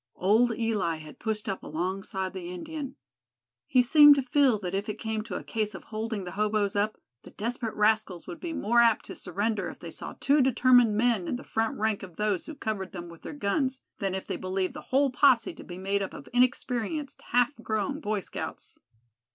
Old Eli had pushed up alongside the Indian. He seemed to feel that if it came to a case of holding the hoboes up, the desperate rascals would be more apt to surrender if they saw two determined men in the front rank of those who covered them with their guns, than if they believed the whole posse to be made up of inexperienced half grown Boy Scouts.